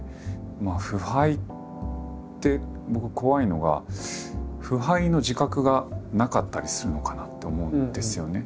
まあ腐敗って僕怖いのが腐敗の自覚がなかったりするのかなって思うんですよね。